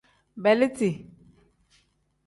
Beeliti.